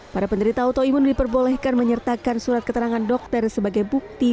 para penderita autoimun diperbolehkan menyertakan surat keterangan dokter sebagai bukti